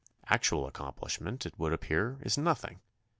Actual accomplishment, it would appear, is nothing.